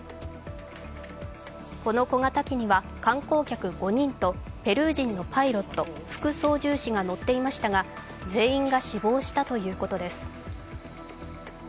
この小型機には観光客５人とペルー人のパイロット、副操縦士が乗っていましたが全員が死亡したということです。